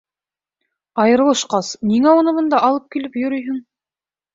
Айырылышҡас, ниңә уны бында алып килеп йөрөйһөң?